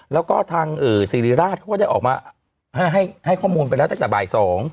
แล้วก็ทางสิริราชเขาก็ได้ออกมาให้ข้อมูลไปแล้วตั้งแต่บ่าย๒